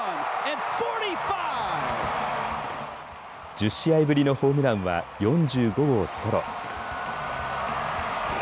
１０試合ぶりのホームランは４５号ソロ。